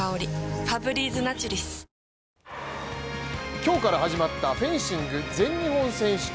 今日から始まったフェンシング全日本選手権。